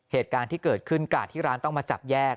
เหตุการณ์ที่เกิดขึ้นกาดที่ร้านต้องมาจับแยก